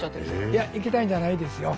いや行きたいんじゃないんですよ。